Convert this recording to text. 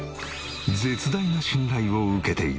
絶大な信頼を受けている。